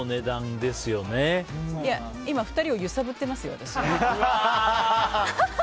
今２人を揺さぶってますよ、私。